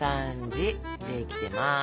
できてます。